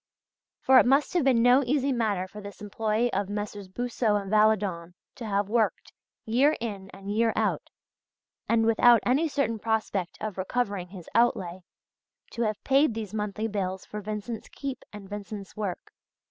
For it must have been no easy matter for this employee of Messrs. Boussod and Valadon to have worked year in and year out and, without any certain prospect of recovering his outlay, to have paid these monthly bills for Vincent's keep and Vincent's work.